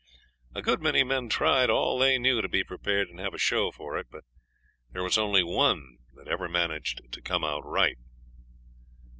A good many men tried all they knew to be prepared and have a show for it; but there was only one that ever managed to come out right.